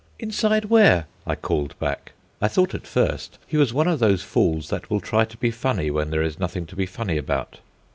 "Inside where?" I called back. I thought at first he was one of those fools that will try to be funny when there is nothing to be funny about.